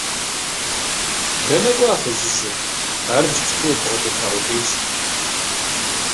– Дэнэ кӀуа фызыжьыр? Ар иджыпсту къыббгъэдэта къудейщ.